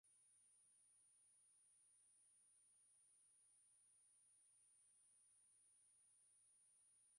Kupiga mbizi kupiga picha na uvuvi hapa ni bora sana